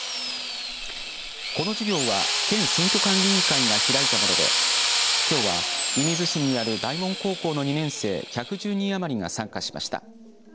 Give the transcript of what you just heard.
この授業は県選挙管理委員会が開いたものできょうは射水市にある大門高校の２年生１１０人余りが参加しました。